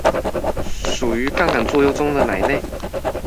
屬於槓桿作用中的哪一類？